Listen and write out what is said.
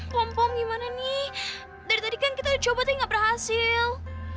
pom pom gimana nih dari tadi kan kita udah coba tapi gak berhasil